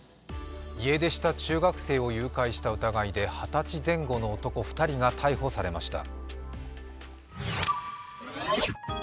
家出した中学生を誘拐した疑いで、二十歳前後の男２人が逮捕されました。